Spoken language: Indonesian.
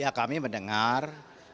ya kami mendengar